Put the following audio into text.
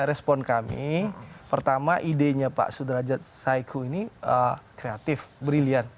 respon kami pertama idenya pak sudrajat saiku ini kreatif brilian